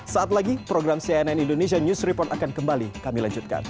saat lagi program cnn indonesia news report akan kembali kami lanjutkan